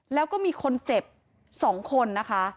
แล้วก็มีคนเจ็บ๒คนนะคะ